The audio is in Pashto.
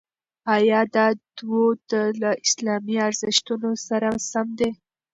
ایا دا دود له اسلامي ارزښتونو سره سم دی؟